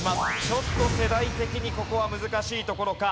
ちょっと世代的にここは難しいところか。